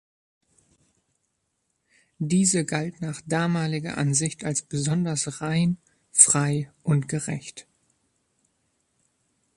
Diese galt nach damaliger Ansicht als besonders rein, frei und gerecht.